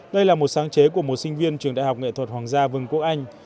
đây là một sáng chế của một sinh viên trường đại học nghệ thuật hoàng gia vương quốc anh